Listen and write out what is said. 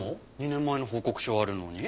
２年前の報告書あるのに？